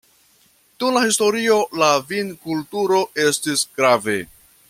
Dum la historio la vinkulturo estis grave.